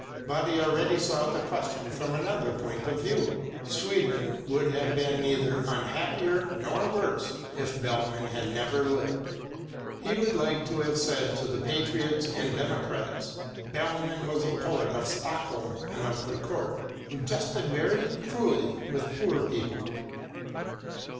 But he already saw the question from another point of view; Sweden would have been neither unhappier nor worse, if Bellmann had never lived. He would like to have said to the patriots and democrats, "Bellmann was a poet of Stockholm and of the Court, who jested very cruelly with poor people."